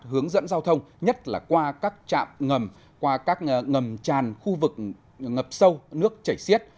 hướng dẫn giao thông nhất là qua các trạm ngầm qua các ngầm tràn khu vực ngập sâu nước chảy xiết